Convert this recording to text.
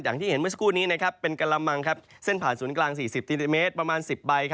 อย่างที่เห็นเมื่อสักครู่นี้เป็นกะละมังเส้นผ่านศูนย์กลาง๔๐เซนติเมตรประมาณ๑๐ใบ